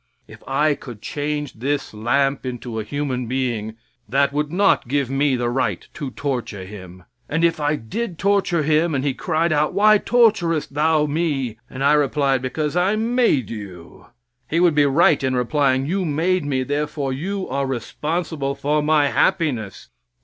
If I could change this lamp into a human being, that would not give me the right to torture him, and if I did torture him and he cried out, "Why torturest thou me?" and I replied, "Because I made you," he would be right in replying, "You made me, therefore you are responsible for my happiness."